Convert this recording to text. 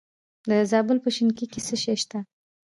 د زابل په شنکۍ کې څه شی شته؟